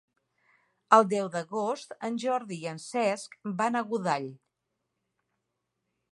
El deu d'agost en Jordi i en Cesc van a Godall.